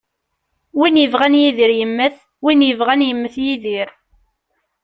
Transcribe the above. Win yebɣan yidir yemmet ,win yebɣan yemmet yidir.